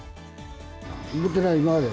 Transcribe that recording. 持ってない、今まで。